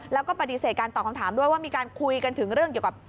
แล้วก็ปฏิเสธการตอบคำถามด้วยว่ามีการคุยกันถึงเรื่องเกี่ยวกับ